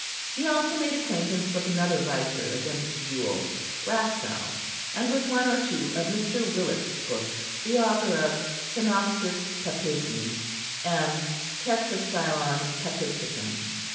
He also made acquaintance with another writer against Jewell, Rastall; and with one or two of Mr. Willet's books, the author of "Synopsis Papismi" and "Tretrastylon Papisticum."